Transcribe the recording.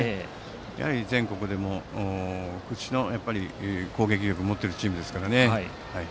やはり全国でも屈指の攻撃力を持っているチームなので。